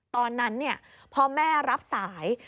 ตอนนั้นเนี่ยพ่อแม่รับสาย